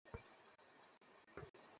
আমি ওর জন্য কোনো কান বানাতে পারিনি।